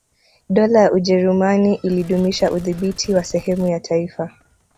Dola ya Ujerumani ilidumisha udhibiti wa sehemu ya taifa